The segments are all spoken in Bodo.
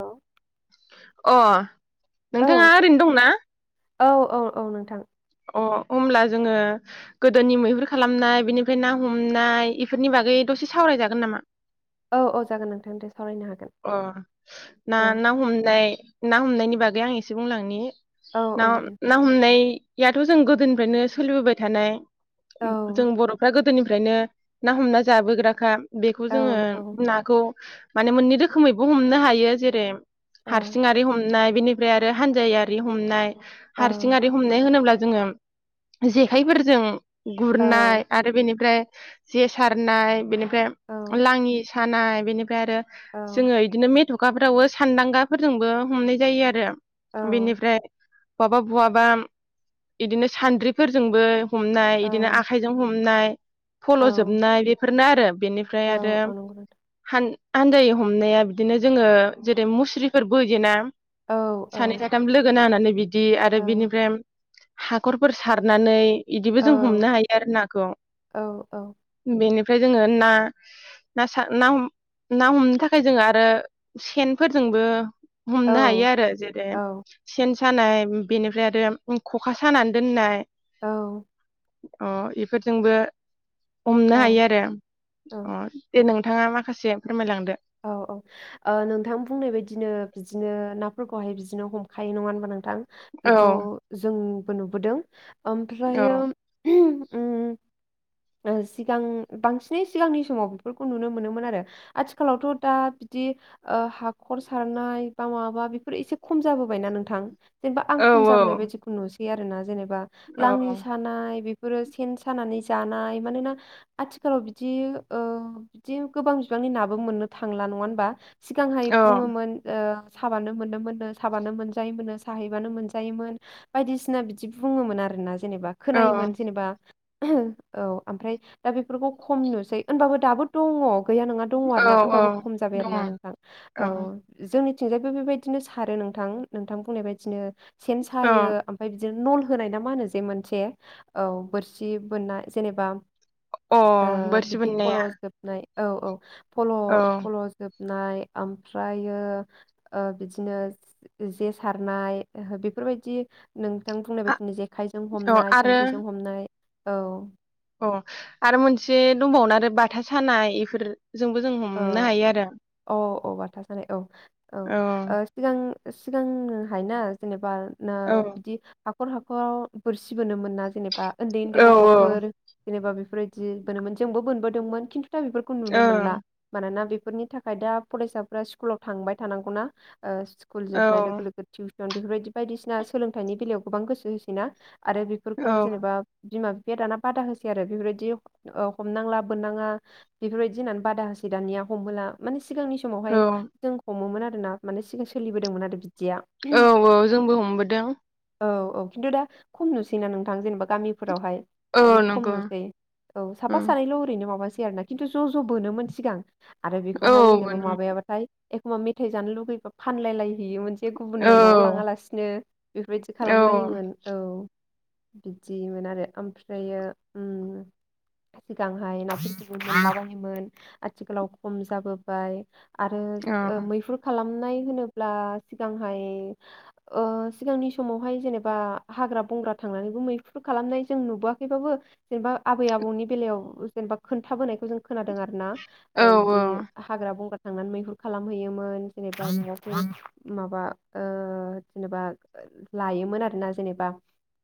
औ अह। औ नोंथाङा ओरैनो दंना? औ औ औ नोंथां। अह होमब्ला जोङो गोदोनि मैहुर खालामनाय बिनिफ्राय ना हमनाय बेफोरनि बागै दसे सावरायजागोन नामा? औ औ जागोन नोंथां दे। सावरायनो हागोन अह ना औ ना हमनाय। ना हमनायनि बागै आं एसे बुंलांनि। औ ना औ जागोन ना हमनाय। बेयाथ' जों गोदोनिफ्रायनो सोलिबोबाय थानाय। औ जों बर'फ्रा। गोदोनिफ्रायनो ना हमना जाबोग्राखा। बेखौ औ जोङो औ ओ नाखौ माने मोन्नै रोख रोखोमैबो हमनो हायो जेरै हारसिंहारि हमना। बिनिफ्राय आरो हानजायारि हमनाय। औ हारसिंआरि हमनाय होनोब्ला जोङो जेखाइफोरजों औ गुरनाय आरो बेनिफ्राय। जे सारनाय, बेनि [unintelligible] लाङि थानाय बेनिफ्राय आरो जोङो इदिनो मेथ' थखाफ्रावबो सान्दांगाफोरजोंबो हमनाय जायो आरो बिनिफ्राय बहाबा बहाबा बिदिनो सान्द्रिफोरजोंबो हमनाय औ बिदिनो आखाइजों हमनाय औ फल'जोबनाय बेफोर गोन आरो बेनिफ्राय आरो औ औ नंगौ नोंथां हान आन्दैयावो हमनाया बिदिनो जोङो जेरै मुस्रिफोर बोयो ना औ औ सानै साथाम लोगोनांनानै [unintelligible] बिदि औ आरो बिनिफ्राय हाखरफोर सारनानै बिदिबो औ जों हमनो हायो आरो नाखौ औ औ बेनिफ ओमफ्राय जोङो ना ना सा ना हमनो थाखाय थाखाय जों आरो सेनफोरजोंबो हमनो हायो आरो जेरै सेन सानाय बेनिफ्राय आरो ख'खा सानानै दोननाय औ अ इफोरजोंबो हमनो औ हायो आरो औ अ दे नों नोंथाङा माखासे फोरमायलांदो औ औ औ नोंथां बुंनाय बायदिनो बिदिनो नाफोरखौहाय बिदिनो हमखायो नङा होनबा नोंथां थां औ बेखौ जों बो नुबोदों औ ओमफ्रायो [unintelligible] उ ओ सिगां बांसिनै सिगांनि समाव बेफोरखौ नुनो मोनोमोन आरो आथि आथिखालावथ' दा बिदि ओ हाखर सारनाय बा माबा बेफोर एसे खम जाबो बाय ना नोंथां जेनेबा आं औ खम जाबोनाय बायदिखौ नु बे आरो ना जेनबा बा औ लाङि सानाय बे बेफोरो सेन सानानै जानाय मानोना आथिखालाव बिदि ओ बिदि गोबां बिबांनि ना बो मोननो थांला नङा होनबा? सिगांहाय बुङोमोन ओ साबानो मोनोमोननो साबानो मोनजायोमोनो सा हैबानो मोनजायोमोन बायदिसिना बिदि बुङोमोन आरोना। जेनेबा औ खोनायोमोन जेनेबा। औ ओमफ्राय दा बेफोरखौ खम नुसै होनबाबो दाबो दङ' गैया नङा। दङ' औ आरोना औ होनबाबो खम जाबाय दङ आरोना नोंथां औ जोंनि थिंजायबो बेबायदिनो सारो नोंथां नोंथां बुंनाय बायदिनो। सेन सायो ओमफ्राय बिद दिनो नल होनाय ना मा होनो जे मोनसे औ बोरसि बोननाय जेनेबा अ ओ बोरसि बिदि फल' बोननाया जोबनाय औ औ। फल' औ फल' जोब नाय आमफ्रायो ओ बिदिनो जे सारनाय बेफोरबायदि नोंथां बुंनाय आ बादिनो जे आखाइजों औ हमनाय आरो सानद्रिजों हमनाय औ अ आरो मोनसे दंबावोना आरो बाथा सानाय एफोर औ औ अ बाथा सानाय औ औ ओ सिगां सिगांहायना जेनेबा ना औ बिदि हा खर हाखराव बोरसि बोनोमोनना जेनेब बा ओन्दै ओन्दै औ गथ'फोर जेनेबा बेफोरबायदि बोनोमोन जोंबो बोनबोदोंमोन खिन्थु तु बेफोरखौ नुनो ओं मोनला मानोना बेफोरनि थाखाय दा फरायसाफोरा स्कुलाव थांबाय थानांगौना ओ स्कुल औ जोबनाय लोगो टिउ सन बेफोरबायदि बायदिसिना सोलोंथाइनि बेलायाव गोबां गोसो होयोसैना आरो औ बेफोरखौ जेनेबा बिमा [unintelligible] दाना बादा होसै आरो बेफोरबायदि ओ हमनांला बोननाङा बेफोरबायदि होननानै बादा होसै दानिया हमहोला माने सिगांनि औ समावहाय जों हमोमोन आ ना माने सिगां सोलिबोदोंमोन आरो बि औ औ जोंबो हमबोदों औ औ खिन्थु दा खम नुसै ना नोंथां जेनेबा गामिफोरावहाय औ जोबोद खम नंगौ नुसै औ साफा उम सानैल' ओरैनो माबासै आरोना किन्थु ज' ज' बोनोमोन सिगां आरो औ बेखौहाय जेनेबा नों माबायाबाथाय एखमबा मेथाइ जानो लुुबैबा फानलाय लायो हैयोमोन जे औ गुबुननो न'आव लाङा लासिनो बेफोरबायदि औ खालामलायोमोन औ बिदिमोन आरो ओमफ्रायो उम सिगांहाय [unintelligible] आथिखालाव खम जाबोबाय आरो औ ओ मैहुर खालाम नाय होनोब्ला सिगांहाय ओ सिगांनि समावहाय जेनेबा हाग्रा बंग्रा थांनानैबो मैहुर खालामनाय जों नुबोआखैबाबो जेनेबा आबै आबौनि बेलायाव जेनेबा खोन्थाबोनायखौ जों खोनादों आरो ना ओ औ इदि हाग्रा बंग्रा थांनानै मैहुर खालामहैयोमोन जेनेबा [unintelligible] माबा ओ जेनेबा लायोमोन आरो ना जेनेबा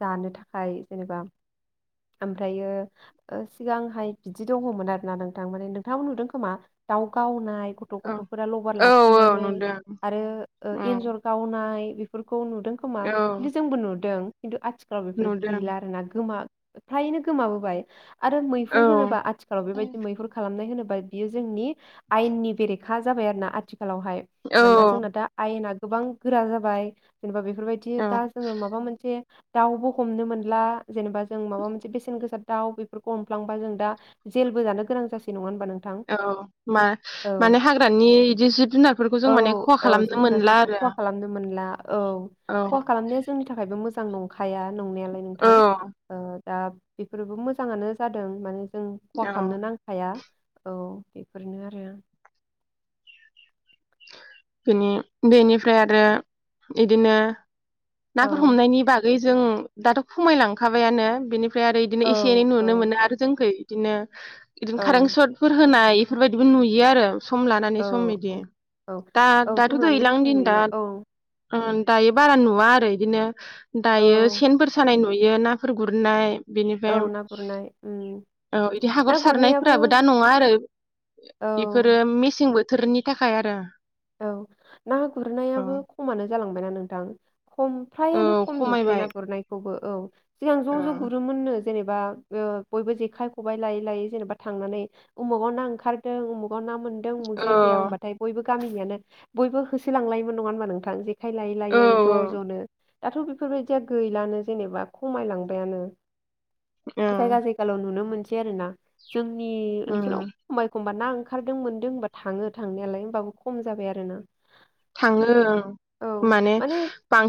जानो थाखाय जेनेबा ओमफ्रायो ओ सिगांहाय बिदि दङमोन आर ना नोंथां माने थाङाबो नुदों खोमा दाव गावनाय गथ' औ गथ'फोरा लबार औ औ लाथिंनानै नुदों आरो औ एन्जर गावनाय बेफोर खौ नुदों खोमा औ खिन्थु जोंबो नुदों खिन्थु आथि फ्राव बेफोर नुदों गैला आरो ना गोमा फ्राययैनो गोमाबोबाय आरो औ मैहुर होनोबा आथिखालाव बेबायदि मैहुर खालामनाय बाय बियो जोंनि आयेननि बेरेख खा जाबाय आरो ना आथि आथिखालावहाय मानोना औ जोंना दा आयेना गोबां गोरा जाबाय जेनेबा बे बेफोरबायदि दा औ जोङो माबा मोनसे रावबो हमनो मोनला जेनेबा जों माबा मोनसे बेसेन गोसा दाउ बेफोरखौ हमफ्लांबा जों दा जेलबो जानो गोनां जासै नङा होनबा नों औ मा मानो हाग्रानि बिदि जिब जुनारफोरखौ औ जों माने खहा औ जिब खालामनो मोनला जुनारफोरखौ आरो खहा खालामनो मोनला औ खहा औ खालामनाया जोंनि थाखायबो मोजां नंखाया नंनायालाय नोंथां औ ओ दा बेफोरबो मोजाङानो जादों माने उम खहा औ खालामनो नांखाया औ बेफोरनो आरो बिनि बेनिफ्राय आरो बिदिनो औ नाफोर हमनायनि बागै जों दाथ' खमायलांखाबायानो बिनि फ्राय आरो बिदिनो औ एसे एनै औ नुनो मोनो आरो जोंखै। बिदिनो औ बिदिनो कारेन्ट सर्टफोर होनाय बेफोरबायदिबो नुयो आरो सम लानानै औ सम बिदि। औ औ दा औ दाथ' सम लानानै दैलां सम दिन दा नुयो औ ओ दायो बारा नुवा आरो बिदिनो। दायो औ सेन फोर सानाय नु नुयो नाफोर गुरनाय औ बेनिफ्राय ना गुरनाय उम औ बिदि ना हाखर गुरनायाबो सारनायफ्राबो दा नङा आरो औ बेफोरो मेसेंबो बोथोरनि थाखाय आरो। औ ना औ गुरनायाबो खमानो जालांबायना नोंथां? खम औ फ्रायानो खम नुसै खमायबाय ना गुरनायखौबो। औ। सिगां ज' औ ज' गुरोमोननो। जेनेबा ओ बयबो जेखाय खबाइ लायै लायै जेनेबा थांनानै उमुकाव ना ओंखारदों उमुक काव ना मोनदों उमुक औ जायगायाव होमबाथाय बयबो गामिनियानो बयबो होसोलांलायोमोन नङा होनबा नोंथां? जे खाय लायै औ लायै ज' ज'नो। दाथ' बेफोरबायदिया गैलानो जेनेबा खमायलांबायानो। ओ जायगा जायगाल' नुनो मोनस दि आरो ना जोंनि ओनसोलाव उम एखम्बा एखम बा ना ओंखारदों मोनदों होनोमबा थाङो थांनायालाय होमबाबो खम जाबाय आरोना। थाङो औ माने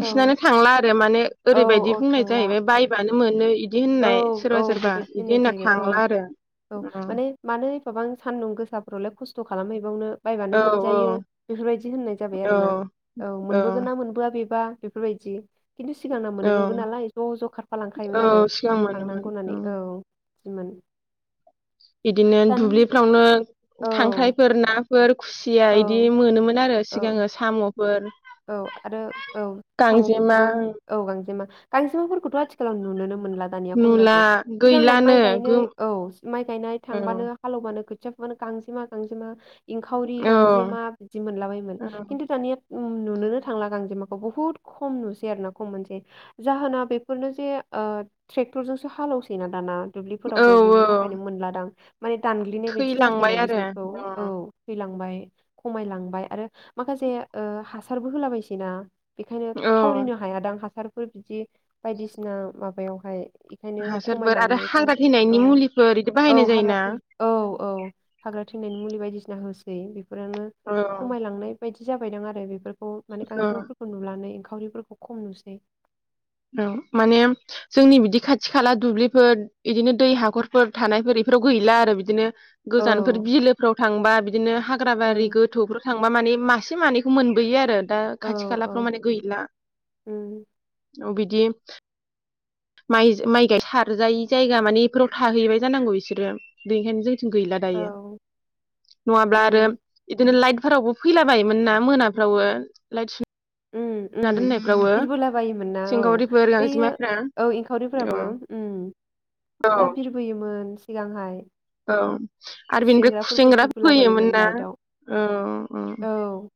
औ थांला आरो माने औ ओरैबायदि औ बुंनाय थांला जाहैबाय बायबानो मोनो इदि औ होननाय औ सोरबा सोरबा बेबायदि इदि होननाय होनना जाहैबाय थांला आरो औ औ माने मानो एफाबां सान्दुं गोसा फोरावलाय खस्थ' खालामहैबावनो औ बायबानो मोनजायो बेफोरबायदि होननाय जाबाय औ आरो ना औ मोनबोगोन ना मोनबोआ बेबा बेफोरबायदि। खिन्थु सिगांना औ मोनोमोनबो नालाय ज' ज' खारफालांखायोमोन आरो। गां मोनोमोन थांनांगौ होननानै ओम। [unintelligible] बिदिनो दानि दुब्लिफ्रावनो औ खांख्राइफोर नाफोर खुसिया बिदि औ मोनोमोन आरो औ सिगाङो साम' औ आरो औ गांजेमा साम'फोरखौबो औ गांजेमा गांजेमाफोरखौथ' आथिखालाव नुनो नो मोनला दानिया खम नुला जासै सिगांहाय गैलानो माइ गो गायनाय औ माइ गायनाय औ थांबानो हालवबानो खुथिया फुबानो गांजेमा गांजेमा इंखावरि औ गांजेमा बिदि मोनलाबायमोन खिन्थु दानिया उम नुनोनो थांला गांजेमाखौ बुहुद खम नुसै आरो ना खम मोनसै जाहोना बेफोरनो जे ओ ट्रेक्टरजोंसो हालौसै ना दाना। औ दुब्लिफोरावबो बिनि औ थाखायनो मोनलादां माने दानग्लिनाय बायदि थैलांबाय जासैना आरो बिसोरखौ औ अ थैलांबाय। खमायलांबाय आरो माखासे ओ हासारबो होलाबायसै ना? बेखायनो औ थावरिनो हायादां हासार फोर बिदि बायदिसिना माबायावहाय बेखायनो हासारफोर आरो खमायलांनायखौ हाग्रा औ थैनायनि मुलिफोर बिदि बाहायनाय औ हाग्रा जायोना थै औ औ हाग्रा थैनायनि मुलि बायदिसि ना होसै बेफोरनो औ खमायलांनाय बायदि जा फैदों आरो बेफोर खौ माने औ गांजेमाफोरखौ नुनानै इं खावरिफोरखौ खम नुसै औ माने जोंनि बिदि खाथि खाला दुब्लिफोर इदिनो दै हाखरफोर थानायफोर बेफोराव गैला आरो बिदिनो औ गोजानफोर बिलोफ्राव थांबा बिदिनो हाग्रा औ बारि गोथौ थांबा माने मासे मानैखौ मोनबोयो आरो दा औ खाथि खालाफ्राव औ माने गैला उम औ बिदि माइ माइ गाय सारजायि जायगा माने बेफोराव थाहैबाय जानांगौ इसोरो बेनिखायनो जों गैला औ दायो नङाब्ला आरो उम इदिनो लाइट फोरावबो फैलाबायोमोन ना मोनाफ्रावबो लाइट उम सुना उम दोननायफ्रावबो बिरबोला बायोमोन ना औ सिंखावरिफोर बैयो गांजेमाफ्रा औ औ एंखावरिफोराबो जा औ बिरबोयोमोन सिगांहाय औ आरो बिनिफ्राय खुसेंग्राफोरबो खुसेंग्रा फैयोमोन बिरबोलाबायोमोन ना लाइटआव औ औ औ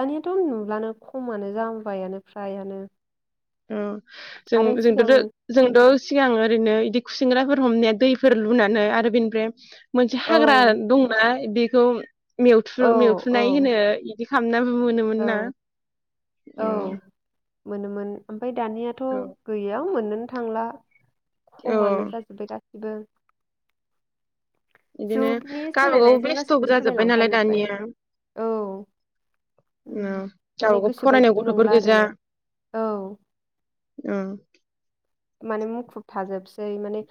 दानियाथ' नुलानो खमानो जाहांबायानो फ्रायानो अ जों आरो सिगां जोंथ' जोंथ' सिगां ओरैनो इदि खुसेंग्राफोर हमनाया दैफोर लुनानै आरो बेनिफ्राय मोनसे औ हाग्रा दंना बे खौ औ मेवथ्रु मेवथुनाय औ होनो दि खामना मोनोमोन ना औ औ ओम मोनोमोन उम फाय दानियाथ' गैया मोन्नोनो थांला औ खमानो जाजोब्बाय गासि बो बिदिनो जुगनि गावबागाव सोलायनायजों बेस्थ'बो गासिबो जाजोब्बाय सोलायलांफा नालाय जोब्बाय दानिया औ। उम ओम माने गावबा गाव फरायनायाव गोसोबायदि गथ'फोर नंला गोजा आरोना औ ओम माने मुखुब थाजोबसै माने।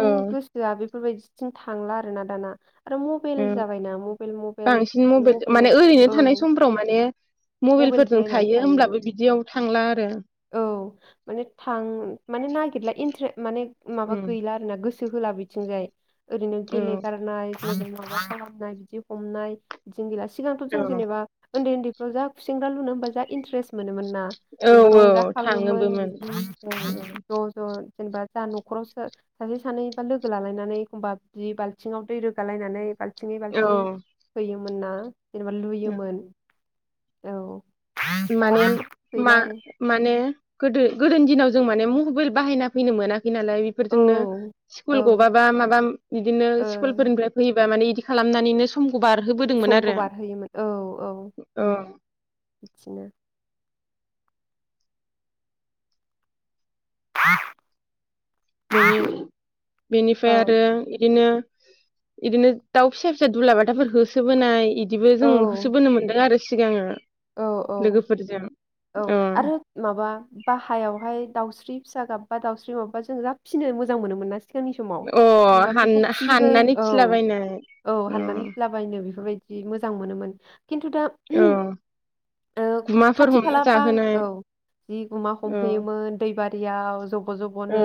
औ गोसोआ बे फोर बायदिथिं थांला आरोना दाना। आरो मबाइल ओं जाबायना मबेल मबेल बांसिन बिदिनो मबाइल मबेल माने ओरैनो थानाय औ समफ्राव माने मबेलसो मबाइलफोरजों नायनानै थायो होमब्लाबो बिदियाव थांला आरो औ माने थां [unintelligible] माने। माबा उम गैला आरोना गो गोसो होला बिथिंजाय। ओरैनो औ गेलेगारनाय माबा खालामनाय बिदि हमनाय इदिनो [unintelligible] सिगांथ' जों औ जेनेबा उन्दै उन्दैफोर जा खुसेंग्रा लुनो होनबा जा इन्टारेस मोनोमोन ना औ जेनबा औ रंजाखाङोमोन थाङोबोमोन बिदिनो ओ ज' ज' जेनेबा जा न'खराव सासे सानैबा लोगो लालायनानै एखमबा बि बाल्थिंआव दै रोगालायनानै बालथि बालथिंयै औ बालथिं होयो। मोनना। जेनेबा लुयोमोन। औ। दा माने बेफोर मा गैला आरो माने। गोदो गोदोनि दिनाव जों माने मबाइल बाहायना फैनो मोनाखै नालाय औ बेफोरजोंनो स्कुल औ गबाबा माबा बिदिनो ओ स्कुलफोरनिफ्राय फैयोबा माने। बिदि खालामनानैनो सम समखौ बारहोयोमोन औ औ औ बिदिनो। [inaudible] औ बेनिफ्राय आरो बिदिनो बिदिनो दाउ फिसा फिसा दुला बाथाफोर होसोबोनाय। बिदिबो औ जों होसोबोनो मोनदों आरो। सिगाङो। औ औ लोगोफोरजों औ अ आरो माबा बाहायावहाय दाउस्रि फिसा गाबबा दाउस्रि माबा जों जा फिनो मोजां मोनोमोनना। सिगांनि समाव अ जेनेबा बेखौ हानना फिसिगोन हाननानै औ फिलाबायनाय औ अ हाननानै फिलाबायनो बेफोर बायदि। जि मोजां मोनोमोन। खिन्थु दा। औ गुमाफोर खाथि हमना खालाबा जाहोनाय औ जि गुमा औ हमहैयोमोन दैबारियाव जब' औ जब'नो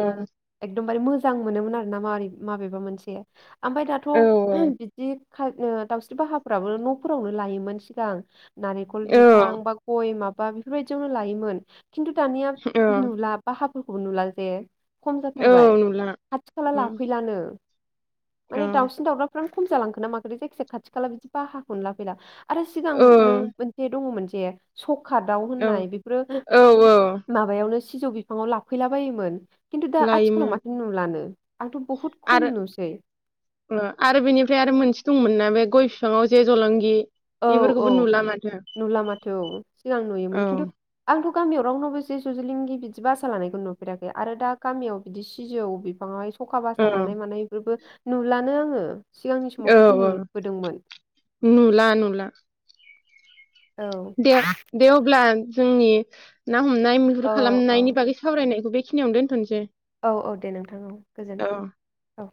एखदमबार मोजां मोनोमोन आरो ना माबारै माबेबा मोनसे ओमफ्राय दाथ' औ बिदि दाउस्रि बाहाफ्राबो न'फोरावनो लायोमोन सिगां- बल औ बिफां बा गय माबा बा बेफोरबायदियावनो लायोमोन खिन्थु दानिया औ नुला बा हाब खौ नुल जे खम औ जाथारबाय नुला खाथि खाला उम लाफैलानो औ माने दाउसिन दाउलाफ्रा खम जालांखोन ना माखो जायखिजाया खाथि खाला बिदि बाहाखौनो लाफैला आरो औ सिगांनो दङमोन जे। खादाव औ दोननाय बेफोरो औ औ माबायावनो। सिजौ बिफां आव लाबोफैला बायोमोन। लायोमोन आंथ' बहुद खम आरो नुसै आरो बेनिफ्राय आरो मोनसे दंमोन ना बे गय बिफाङाव जे जलंगि औ औ बेफोरखौबो नुला माथो नुला माथो औ सिगां नुयोमोन औ खिन्थु आंथ' गामियाव रावनोावबोसे जुजुलिंगि बिदि बिदि बासा लानायखौ नुफेराखै आरो दा गामियाव बिदि सिजौ बिफाङा सखा बासा औ लानाय मानाय बेफोरबो नुलानो आङो सिगांनि समाव औ खिन्थु औ नुबोदोंमोन नुला नुला [unintelligible] औ दे दे अबला जोंनि ना हमनाय औ मैहुर औ खालामनायनि बागै सावरायनायखौ बे खिनियावनो दोनथनोसै औ औ दे नोंथां औ औ गोजोनथों औ